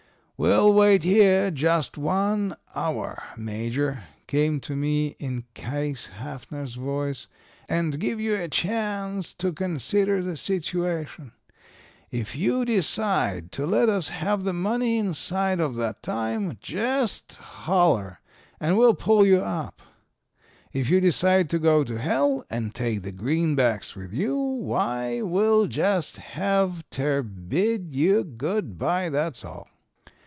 "'We'll wait here just one hour, Major,' came to me in Case Haffner's voice, 'and give you a chance to consider the situation. If you decide to let us have the money inside of that time, jest holler, and we'll pull you up. If you decide to go to hell and take the greenbacks with you, why, we'll jest have ter bid you good by, that's all.'